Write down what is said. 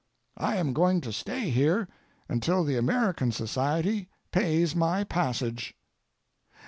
I am going to stay here until the American Society pays my passage.